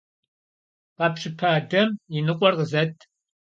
Къэпщыпа дэм и ныкъуэр къызэт!